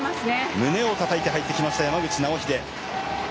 胸をたたいて入ってきました山口尚秀。